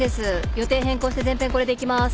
予定変更して全編これでいきます。